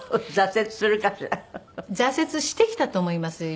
挫折してきたと思いますよ